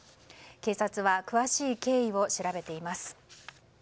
警察は詳しい経緯を調べています。